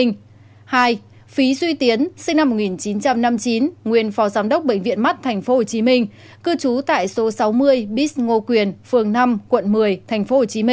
hai phí duy tiến sinh năm một nghìn chín trăm năm mươi chín nguyên phó giám đốc bệnh viện mắt tp hcm cư trú tại số sáu mươi bs ngô quyền phường năm quận một mươi tp hcm